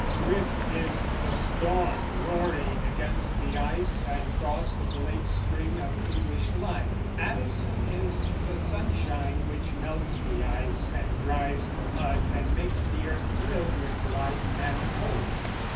Swift is the storm, roaring against the ice and frost of the late spring of English life. Addison is the sunshine, which melts the ice and dries the mud and makes the earth thrill with light and hope.